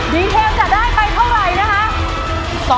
ดีเทลจะได้ไปเท่าไหร่นะคะ